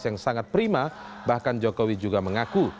yang sangat prima bahkan jokowi juga mengaku